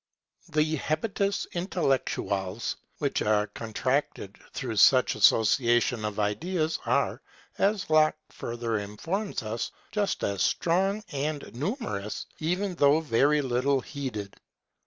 The habitus intellectuales which are contracted through such association of ideas, are, as Locke further informs us, just as strong and numerous, even though very little heeded.